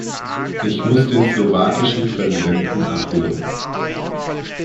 Ich muss den slowakischen Präsidenten abholen.